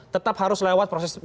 tetap harus lewat proses